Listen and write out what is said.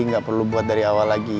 gak perlu buat dari awal lagi ya